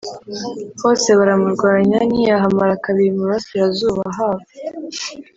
hose baramurwanya ntiyahamara kabiri. mu burasirazuba haba